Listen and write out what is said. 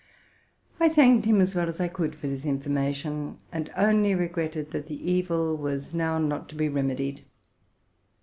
I thanked him as well as I could for this information, aud only re sretted that the evil was now not to be remedied.